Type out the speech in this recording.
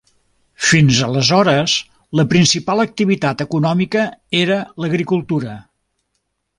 Fins aleshores, la principal activitat econòmica era l'agricultura.